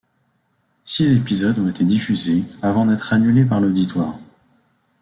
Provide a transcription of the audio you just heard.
Six épisodes ont été diffusés, avant d'être annulés par l'auditoire.